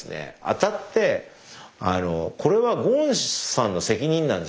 当たってこれはゴーンさんの責任なんじゃないですかと。